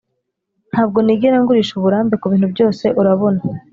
ntabwo nigera ngurisha uburambe kubintu byose, urabona.